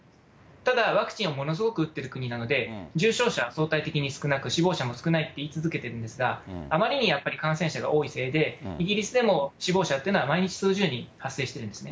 ただワクチンをものすごく打っている国なので、重症者は相対的に少なく、死亡者も少ないって言い続けてるんですが、あまりにやっぱり感染者が多いせいで、イギリスでも死亡者ってのは毎日数十人発生しているんですね。